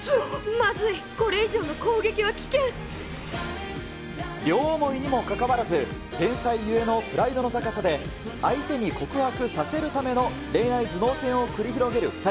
まずい、これ以上の攻撃は危両思いにもかかわらず、天才ゆえのプライドの高さで、相手に告白させるための恋愛頭脳戦を繰り広げる２人。